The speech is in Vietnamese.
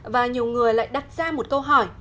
và nhiều người lại đặt ra một câu hỏi